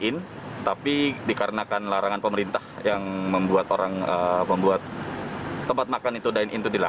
untuk kenyamanan meja khusus untuk makan di mobil jadinya